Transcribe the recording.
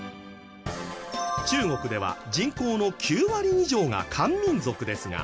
中国では人口の９割以上が漢民族ですが。